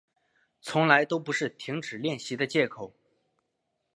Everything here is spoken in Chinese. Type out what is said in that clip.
从来都不是停止练习的借口